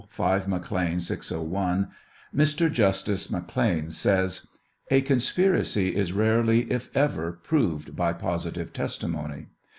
5 McLean. 601, Mr. Justice McLean says: 'A conspiracy is rarely, if ever, proved by positive testimony.